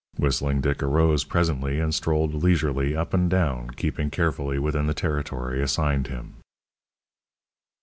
Whistling Dick arose presently and strolled leisurely up and down keeping carefully within the territory assigned him.